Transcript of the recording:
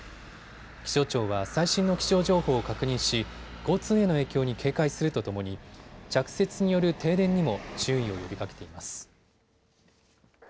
気象庁は最新の気象情報を確認し交通への影響に警戒するとともに着雪による停電にも注意を呼びかけています。